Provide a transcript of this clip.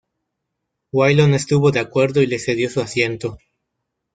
Waylon estuvo de acuerdo y le cedió su asiento.